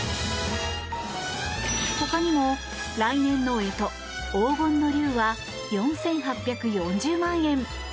他にも来年の干支、黄金の龍は４８４０万円。